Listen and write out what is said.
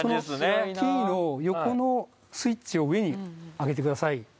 そのキーの横のスイッチを上に上げてください。